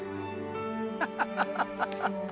ハハハ